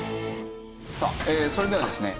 さあそれではですね